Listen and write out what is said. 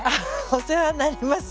お世話になります。